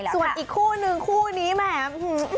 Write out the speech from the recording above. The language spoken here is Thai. ส่วนอีกคู่นึงคู่นี้แหม